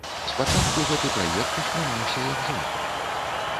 Спачатку гэты праект успрымаўся як жарт.